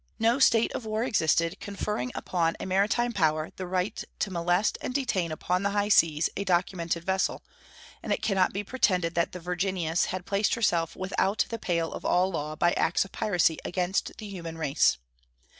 No state of war existed conferring upon a maritime power the right to molest and detain upon the high seas a documented vessel, and it can not be pretended that the Virginius had placed herself without the pale of all law by acts of piracy against the human race.